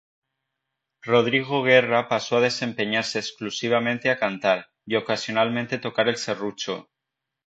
Rodrigo Guerra pasó a desempeñarse exclusivamente a cantar y ocasionalmente tocar el serrucho.